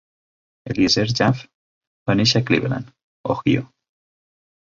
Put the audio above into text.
Eliezer Jaffe va néixer a Cleveland Ohio.